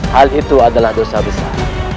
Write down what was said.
hal itu adalah dosa besar